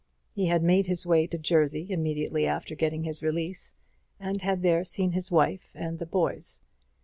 He had made his way to Jersey immediately after getting his release, and had there seen his wife and the boys.